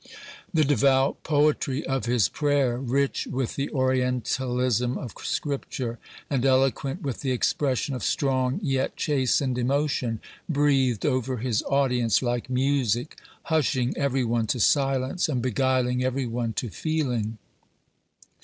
The devout poetry of his prayer, rich with the Orientalism of Scripture, and eloquent with the expression of strong yet chastened emotion, breathed over his audience like music, hushing every one to silence, and beguiling every one to feeling.